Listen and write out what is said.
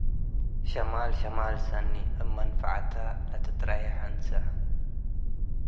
ሸማል፤ ሸማል ሰኒ፣ እብ መንፈዐተ ለትተረየሕ እንሰ ።